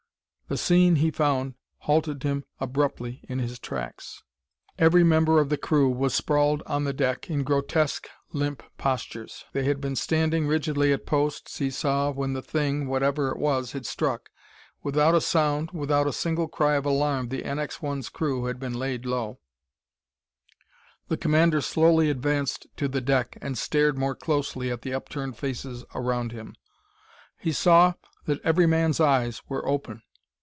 The scene he found halted him abruptly in his tracks. Every member of the crew was sprawled on the deck, in grotesque, limp postures. They had been standing rigidly at posts, he saw, when the thing, whatever it was, had struck. Without a sound, without a single cry of alarm, the NX 1's crew had been laid low! The commander slowly advanced to the deck and stared more closely at the upturned faces around him. He saw that every man's eyes were open.